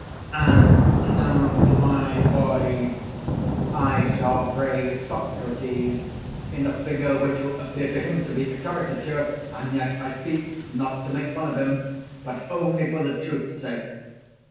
And now, my boys, I shall praise Socrates in a figure which will appear to him to be a caricature, and yet I speak, not to make fun of him, but only for the truth's sake.